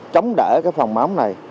chống đỡ cái phần mắm này